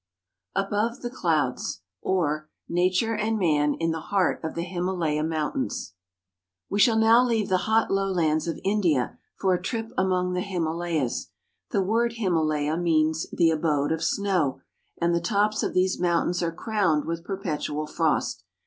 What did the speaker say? ABOVE THE CLOUDS; OR, NATURE AND MAN IN THE HEART OF THE HIMALAYA MOUNTAINS WE shall now leave the hot lowlands of India for a trip among the Himalayas. The word " Himalaya " means "the abode of snow" and the tops of these moun tains are crowned with perpetual frost.